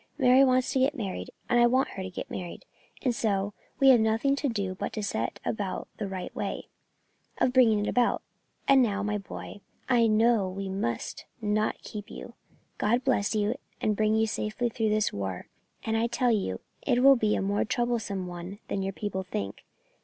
"Mary wants to get married, and I want her to get married, and so we have nothing to do but to set about the right way of bringing it about. And now, my boy, I know we must not keep you. God bless you, and bring you safely through this war, and I tell you it will be a more troublesome one than your people think.